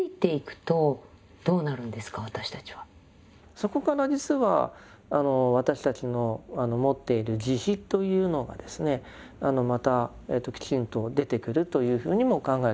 そこから実は私たちの持っている慈悲というのがですねまたきちんと出てくるというふうにも考えることができます。